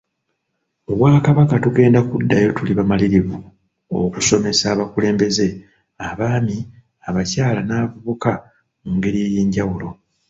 Mu Bwakabaka tugenda kuddayo tuli bamalirivu okusomesa abakulembeze, abaami, abakyala n'abavubuka mu ngeri ey'enjawulo.